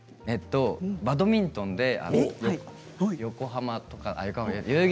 バドミントンで横浜とか代々木